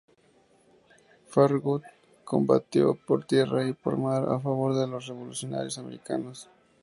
Farragut combatió por tierra y por mar a favor de los revolucionarios americanos.